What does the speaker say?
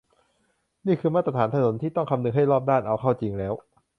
นี่คือ มาตรฐานถนนที่ต้องคำนึงให้รอบด้าน เอาเข้าจริงแล้ว